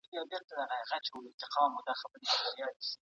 سياست په هره ساحه کي خپله اغېزه وښندله.